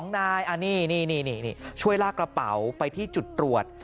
๒นายนี่ช่วยลากกระเป๋าไปที่จุดตรวจ